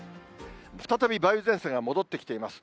再び梅雨前線が戻ってきています。